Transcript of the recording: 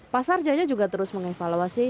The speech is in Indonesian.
pasar jaya juga terus mengevaluasi